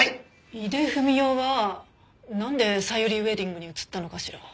井出文雄はなんでさゆりウェディングに移ったのかしら？